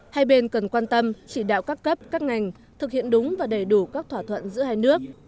hai bên cần quan tâm chỉ đạo các cấp các ngành thực hiện đúng và đầy đủ các thỏa thuận giữa hai nước